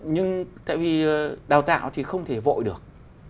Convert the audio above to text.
nhưng tại vì đào tạo thì không thể vội được